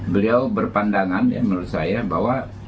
beliau berpandangan ya menurut saya bahwa